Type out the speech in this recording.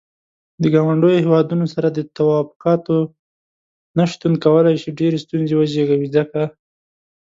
د ګاونډيو هيوادونو سره د تووافقاتو نه شتون کولاي شي ډيرې ستونزې وزيږوي ځکه.